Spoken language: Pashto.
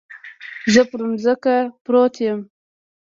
زه پر ځمکه پروت يم.